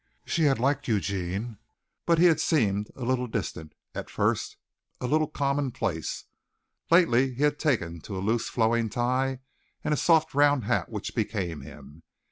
She had liked Eugene, but he had seemed a little distant and, at first, a little commonplace. Lately he had taken to a loose, flowing tie and a soft round hat which became him.